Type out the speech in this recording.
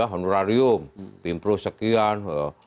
honorarium pimpro sekian